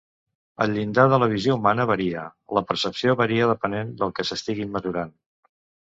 El llindar de la visió humana varia, la percepció varia depenent del que s'estigui mesurant.